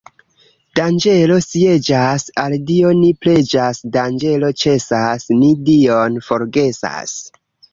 Danĝero sieĝas, al Dio ni preĝas — danĝero ĉesas, ni Dion forgesas.